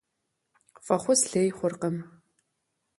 ФӀэхъус лей хъуркъым.